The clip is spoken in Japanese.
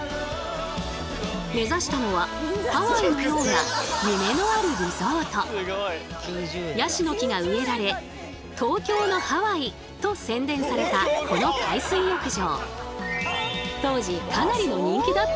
目指したのはハワイのようなヤシの木が植えられ「東京のハワイ」と宣伝されたこの海水浴場。